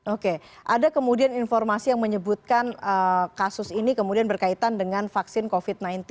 oke ada kemudian informasi yang menyebutkan kasus ini kemudian berkaitan dengan vaksin covid sembilan belas